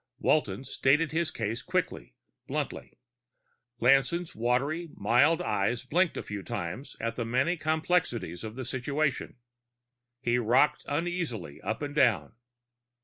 Walton stated his case quickly, bluntly. Lanson's watery, mild eyes blinked a few times at the many complexities of the situation. He rocked uneasily up and down.